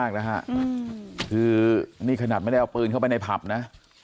คือนี่ขนาดไม่ได้เอาปืนเข้าไปในผับนะ